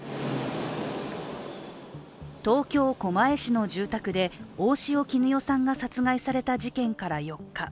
東京・狛江市の住宅で大塩衣与さんが殺害された事件から４日。